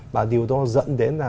và điều đó dẫn đến